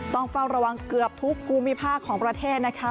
ต้องเฝ้าระวังเกือบทุกภูมิภาคของประเทศนะคะ